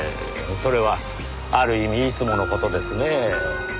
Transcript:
それはある意味いつもの事ですねぇ。